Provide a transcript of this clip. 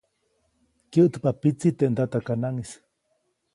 Kyäʼtpa pitsi teʼ ndatakanaʼŋʼis.